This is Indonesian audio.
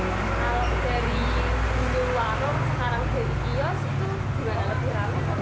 kalau dari dulu warung sekarang dari kios itu gimana lebih rame